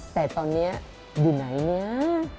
แต่ตอนนี้อยู่ไหนเนี่ย